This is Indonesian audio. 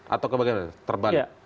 atau ke bagian terbalik